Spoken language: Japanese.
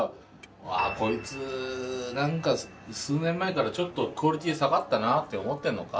うわこいつなんか数年前からちょっとクオリティー下がったなって思ってんのか。